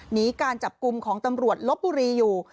หนีการจับกลุ่มของตำรวจลบบุรีอยู่